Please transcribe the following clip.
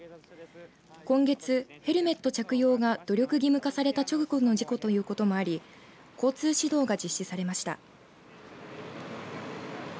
今月、ヘルメット着用が努力義務化された直後の事故ということもあり交通指導が実施されました。